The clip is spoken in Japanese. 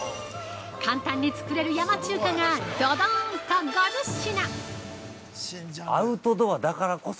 簡単に作れる山中華がドドーンと５０品！